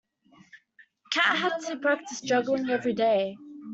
Cat had to practise juggling every day.